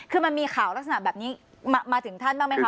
คือมันมีข่าวลักษณะแบบนี้มาถึงท่านบ้างไหมคะ